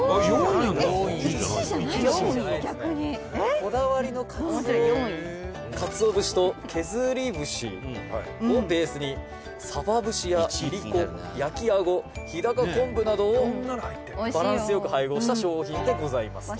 「こだわりのカツオ節と削り節をベースにさば節や、いりこ、焼きアゴ日高昆布などをバランス良く配合した商品でございますと」